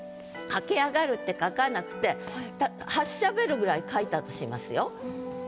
「駆け上がる」って書かなくて「発車ベル」ぐらい書いたとしますよ。